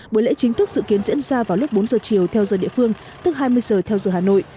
buổi lễ chính thức dự kiến diễn ra vào lúc bốn giờ chiều theo giờ địa phương tức hai mươi giờ theo giờ hà nội